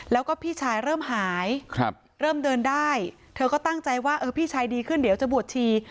แล้วก็พี่ชายเริ่มหายเริ่มเดินได้เธอก็ตั้งใจว่าเออพี่ชายดีขึ้นเดี๋ยวจะบวชชี